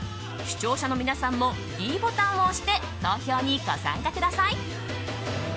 視聴者の皆さんもｄボタンを押して投票にご参加ください。